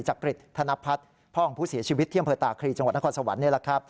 จักริจธนพัทรพ่องผู้เสียชีวิตเที่ยงเผลอตากรีจังหวัดนครสวรรค์